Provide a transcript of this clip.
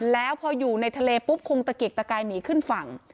แล้วพออยู่ในทะเลปุ๊บคงตะเกียกตะกายหนีขึ้นฝั่ง